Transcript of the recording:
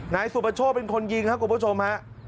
นายสุประโชคเป็นคนยิงครับคุณผู้ชมฮะ